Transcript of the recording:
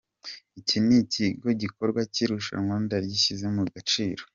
"Iki ni ikindi gikorwa cy'irushanwa ridashyize mu gaciro.